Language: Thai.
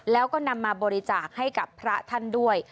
แล้วก็นำมาบริจาคให้กับพระท่านด้วย